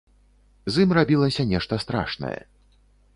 З ім рабілася нешта страшнае.